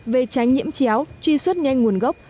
về tránh nhiễm chéo truy xuất nhanh nguồn gốc